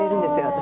私。